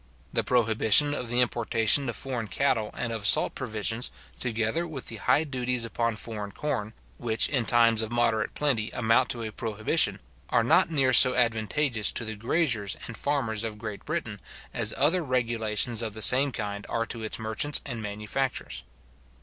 The prohibition of the importation of foreign cattle and of salt provisions, together with the high duties upon foreign corn, which in times of moderate plenty amount to a prohibition, are not near so advantageous to the graziers and farmers of Great Britain, as other regulations of the same kind are to its merchants and manufacturers.